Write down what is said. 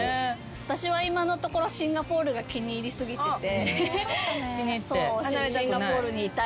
私は今のところシンガポールが気に入り過ぎてて。